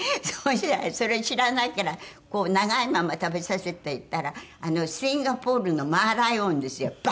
そうしてたらそれ知らないからこう長いまま食べさせていたらシンガポールのマーライオンですよ。